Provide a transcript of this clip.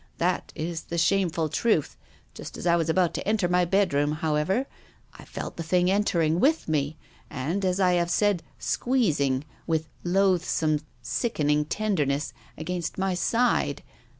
That is the shameful truth. Just as I was about to enter my bedroom, however, I felt the thing entering with me, and, as I have said, squeezing, with loathsome, sickening tenderness, against my side.